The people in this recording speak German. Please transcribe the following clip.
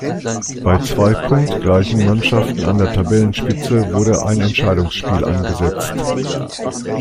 Bei zwei punktgleichen Mannschaften an der Tabellenspitze, wurde ein Entscheidungsspiel angesetzt.